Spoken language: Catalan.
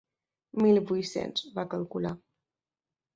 Mil vuit-cents, va calcular.